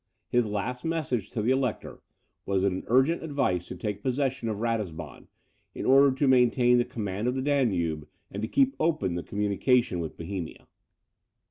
His last message to the Elector was an urgent advice to take possession of Ratisbon, in order to maintain the command of the Danube, and to keep open the communication with Bohemia.